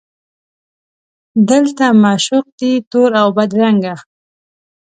دلته معشوق دی تور اوبدرنګه